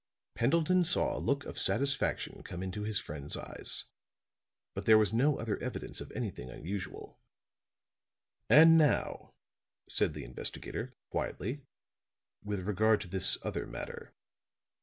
Pendleton saw a look of satisfaction come into his friend's eyes. But there was no other evidence of anything unusual. "And now," said the investigator, quietly, "with regard to this other matter."